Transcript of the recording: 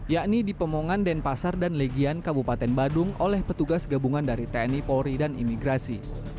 yakni di pemongan denpasar dan legian kabupaten badung oleh petugas gabungan dari tni polri dan imigrasi